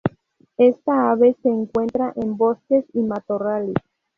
Esta ave se encuentra en bosques y matorrales.